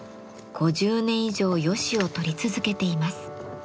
５０年以上ヨシを採り続けています。